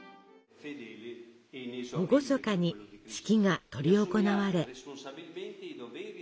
厳かに式が執り行われ。